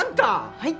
はい！